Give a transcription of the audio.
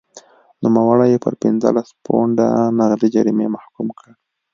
نوموړی یې پر پنځلس پونډه نغدي جریمې محکوم کړ.